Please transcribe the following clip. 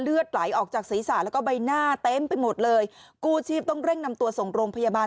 เลือดไหลออกจากศีรษะแล้วก็ใบหน้าเต็มไปหมดเลยกู้ชีพต้องเร่งนำตัวส่งโรงพยาบาล